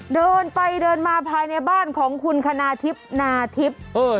เดินไปเดินมาภายในบ้านของคุณคณาทิพย์นาทิพย์